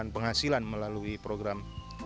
penghasilan melalui program